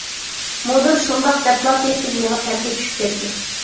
مۇدىر شۇنداق دەپلا تىز-تىز مېڭىپ پەسكە چۈشۈپ كەتتى.